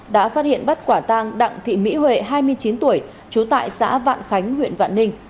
đã phát hiện bắt quả tang đặng thị mỹ huệ hai mươi chín tuổi trú tại xã vạn khánh huyện vạn ninh